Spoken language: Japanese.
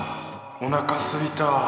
おなかすいたぁ。